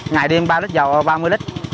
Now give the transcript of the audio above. ngày đêm ba mươi lít dầu là ba mươi lít